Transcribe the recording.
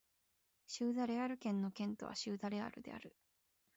シウダ・レアル県の県都はシウダ・レアルである